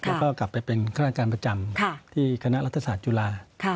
แล้วก็กลับไปเป็นคณะอาจารย์ประจำที่คณะรัฐศาสตร์จุฬาค่ะ